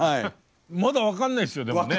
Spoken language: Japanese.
まだ分かんないですよでもね。